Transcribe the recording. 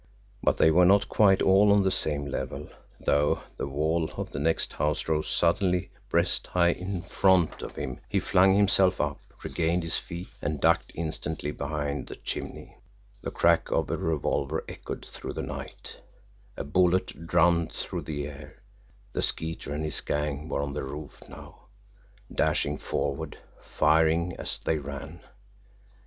But they were not quite all on the same level, though the wall of the next house rose suddenly breast high in front of him. He flung himself up, regained his feet and ducked instantly behind a chimney. The crack of a revolver echoed through the night a bullet drummed through the air the Skeeter and his gang were on the roof now, dashing forward, firing as they ran.